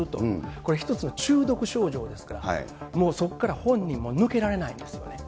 これ、一つの中毒症状ですから、もうそこから本人も抜けられないんですよね。